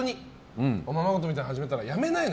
おままごとみたいなの始めたらやめないの。